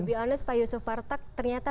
to be honest pak yusuf martak ternyata